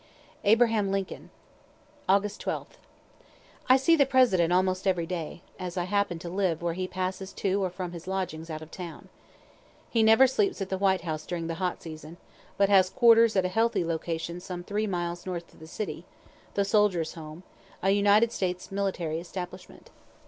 ABRAHAM LINCOLN August 12th. I see the President almost every day, as I happen to live where he passes to or from his lodgings out of town. He never sleeps at the White House during the hot season, but has quarters at a healthy location some three miles north of the city, the Soldiers' home, a United States military establishment.